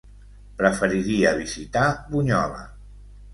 Preferiria visitar Bunyola.